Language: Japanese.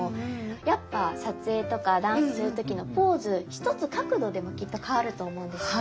やっぱ撮影とかダンスする時のポーズ一つ角度でもきっと変わると思うんですね。